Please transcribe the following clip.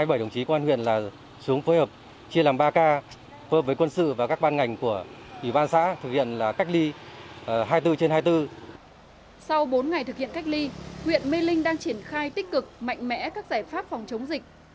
sau bốn ngày thực hiện cách ly huyện mê linh đang triển khai tích cực mạnh mẽ các giải pháp phòng chống dịch